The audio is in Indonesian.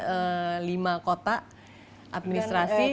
ada lima kota administrasi mau ditambah ribu